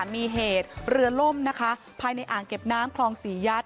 มีเหตุเรือล่มนะคะภายในอ่างเก็บน้ำคลองศรียัตน